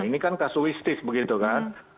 ini kan kasuistis begitu kan